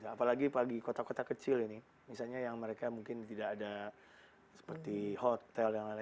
apalagi bagi kota kota kecil ini misalnya yang mereka mungkin tidak ada seperti hotel dan lain lain